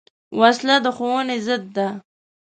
وسله د ښوونې ضد ده